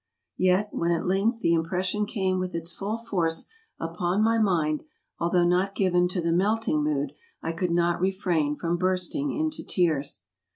Yet, when at length the im¬ pression came with its full force upon my mind, although not given to the melting mood, I could not refrain from bursting into tears.